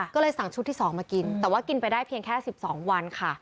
ก็เลยสั่งชุดที่๒มากินแต่ว่ากินไปได้เพียงแค่๑๒วันค่ะ